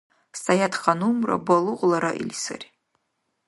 Саятханумра балугъла раили сари.